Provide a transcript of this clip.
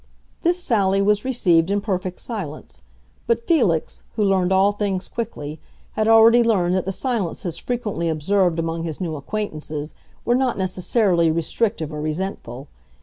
This sally was received in perfect silence, but Felix, who learned all things quickly, had already learned that the silences frequently observed among his new acquaintances were not necessarily restrictive or resentful.